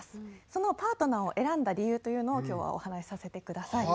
そのパートナーを選んだ理由というのを今日はお話しさせてください。